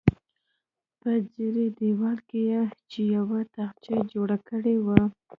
په څیرې دیوال کې یې چې یوه تاخچه جوړه کړې وه.